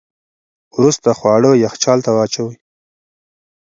وروسته خواړه یخچال ته واچوئ.